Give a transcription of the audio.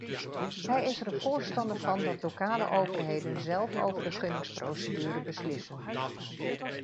Hij is er een voorstander van dat lokale overheden zelf over de gunningsprocedure beslissen.